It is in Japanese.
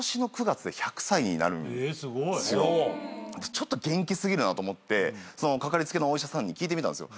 ちょっと元気過ぎるなと思ってかかりつけのお医者さんに聞いてみたんですよ。